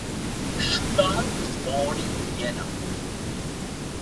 Schuba was born in Vienna.